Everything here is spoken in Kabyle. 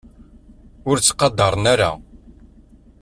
Ur ttqadaren ara.